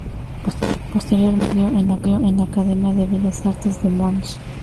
Posteriormente estudió en la Academia de Bellas Artes de Mons.